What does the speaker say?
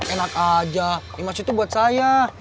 enak aja image itu buat saya